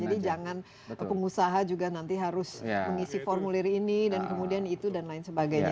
jadi jangan pengusaha juga nanti harus mengisi formulir ini dan kemudian itu dan lain sebagainya